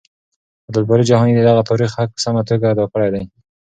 عبدالباري جهاني د دغه تاريخ حق په سمه توګه ادا کړی دی.